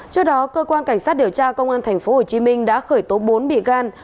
trước đó cơ quan cảnh sát điều tra công an tp hcm đã khởi tố bốn bị can